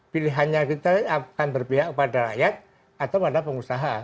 pilihannya kita akan berpihak kepada rakyat atau pada pengusaha